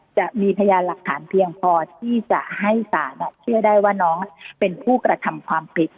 จะมีพยานหลักฐานเพียงพอที่จะให้ศาลเชื่อได้ว่าน้องเป็นผู้กระทำความผิด